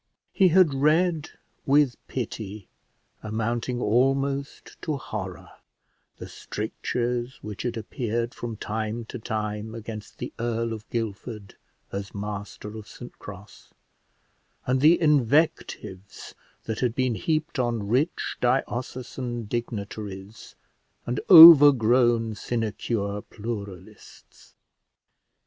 He had read with pity, amounting almost to horror, the strictures which had appeared from time to time against the Earl of Guildford as master of St Cross, and the invectives that had been heaped on rich diocesan dignitaries and overgrown sinecure pluralists.